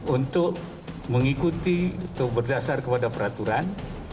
untuk mengikuti atau berdasar kepada peraturan